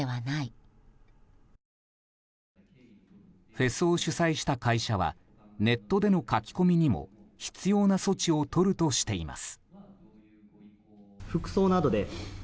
フェスを主催した会社はネットでの書き込みにも必要な措置をとるとしています。